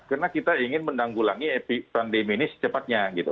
karena kita ingin menanggulangi pandemi ini secepatnya gitu